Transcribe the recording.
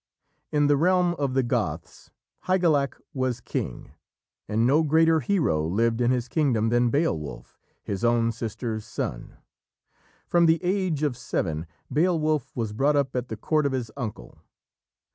In the realm of the Goths, Hygelac was king, and no greater hero lived in his kingdom than Beowulf, his own sister's son. From the age of seven Beowulf was brought up at the court of his uncle.